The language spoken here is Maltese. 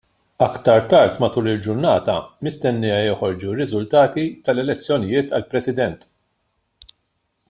Aktar tard matul il-ġurnata mistennija joħorġu r-riżultati tal-elezzjonijiet għall-President.